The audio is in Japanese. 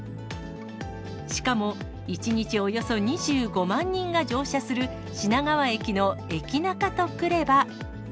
しかも、１日およそ２５万人が乗車する品川駅の駅ナカとくれば。